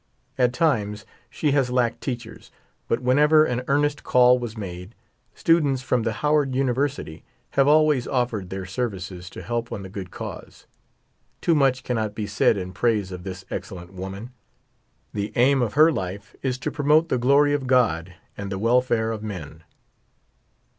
At times she has lacked teachers, but whenever an earnest call was made, students from the Howard University have always offered their services to help on the good cause. Too much cannot be said in praise of this excellent woman. The aim of her life is to promote the glory of God and the welfare of men.